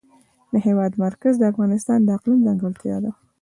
د هېواد مرکز د افغانستان د اقلیم ځانګړتیا ده.